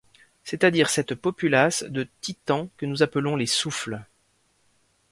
c’est-à-dire cette populace de titans que nous appelons les souffles.